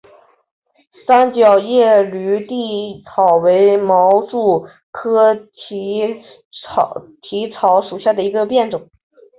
三角叶驴蹄草为毛茛科驴蹄草属下的一个变种。